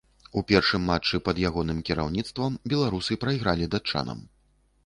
У першым матчы пад ягоным кіраўніцтвам беларусы прайгралі датчанам.